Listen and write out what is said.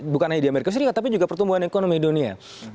bukan hanya di amerika serikat tapi juga pertumbuhan ekonomi dunia